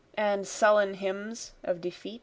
And sullen hymns of defeat?